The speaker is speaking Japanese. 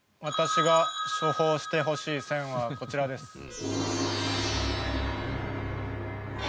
私が処方してほしい「選」はこちらです。